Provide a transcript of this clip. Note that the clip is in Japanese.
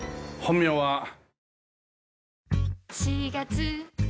本名は。